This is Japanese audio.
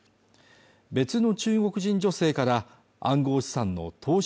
別の中国人女性から暗号資産の投資